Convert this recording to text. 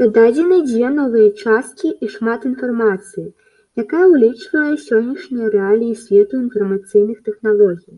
Дададзены дзве новыя часткі і шмат інфармацыі, якая ўлічвае сённяшнія рэаліі свету інфармацыйных тэхналогій.